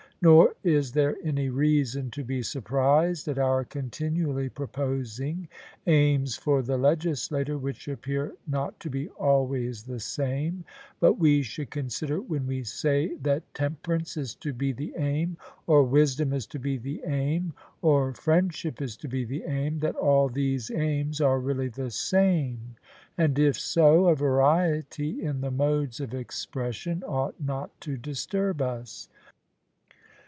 Nor is there any reason to be surprised at our continually proposing aims for the legislator which appear not to be always the same; but we should consider when we say that temperance is to be the aim, or wisdom is to be the aim, or friendship is to be the aim, that all these aims are really the same; and if so, a variety in the modes of expression ought not to disturb us.